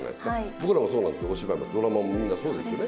僕らもそうなんですよ、お芝居もドラマもみんなそうなんですね。